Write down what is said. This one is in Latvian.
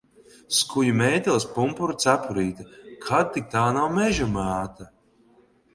Skuju mētelis, pumpuru cepurīte. Kad tik tā nav Meža māte?